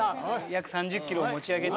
約３０キロを持ち上げて。